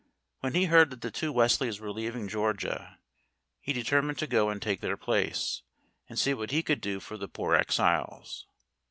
When he heard that the two Wesleys were leaving Georgia he determined to go and take their place, and see what he could do for the poor exiles.